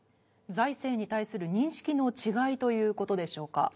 財政に対する認識の違いという事でしょうか？